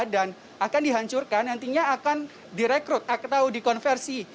dan akan dihancurkan nantinya akan direkrut atau dikonversi